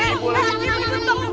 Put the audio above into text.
ibu ibu tolong